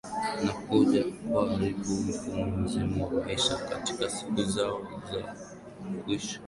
Na kuja kuharibu mfumo mzima wa maisha katika siku zao za kuishi